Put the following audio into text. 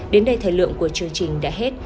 đến đây thời lượng của chương trình đã hết